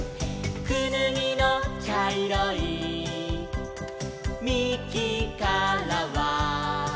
「くぬぎのちゃいろいみきからは」